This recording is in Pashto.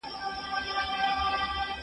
زه به د کتابتون د کار مرسته کړې وي!؟